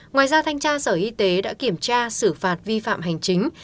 ngoài ra thanh tra sở y tế đã kiểm tra xử phạt vi phạm hành chính